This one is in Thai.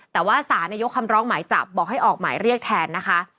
แต่ว่าศาลยกคำร้องหมายจับบอกให้ออกหมายเรียกแทนนะคะ